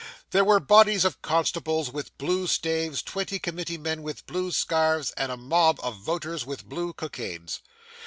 There were bodies of constables with blue staves, twenty committee men with blue scarfs, and a mob of voters with blue cockades.